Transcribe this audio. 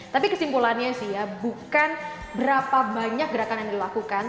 tapi kesimpulannya sih ya bukan berapa banyak gerakan yang dilakukan